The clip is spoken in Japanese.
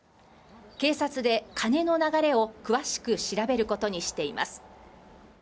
警察で金の流れを詳しく調べることにしています